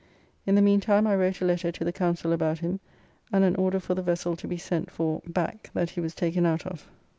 In the meantime I wrote a letter to the Council about him, and an order for the vessel to be sent for back that he was taken out of.